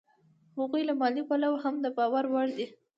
هغوی له مالي پلوه هم د باور وړ دي